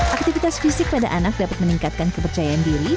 aktivitas fisik pada anak dapat meningkatkan kepercayaan diri